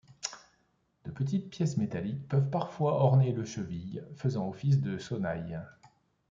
De petite pièces métalliques peuvent parfois orner le chevilles, faisant office de sonnailles.